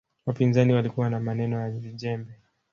wapinzani walikuwa na maneno na vijembe